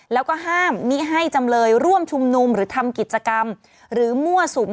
และก็ห้ามมิให้จำลยร่วมชุมนุมหรือทำกิจกรรม